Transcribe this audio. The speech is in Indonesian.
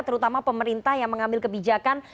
terutama pemerintah yang mengambil kebijakan